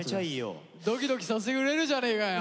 ドキドキさせてくれるじゃねえかよ！